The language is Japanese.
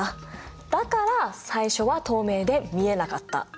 だから最初は透明で見えなかった。